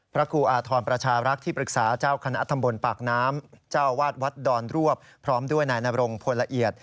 พระครูอาทรประชารักษ์ที่ปรึกษาเจ้าคณะตำบลปากน้ำเจ้าวาดวัดดอนรวบพร้อมด้วยนายนรงพลละเอียด